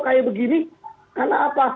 kayak begini karena apa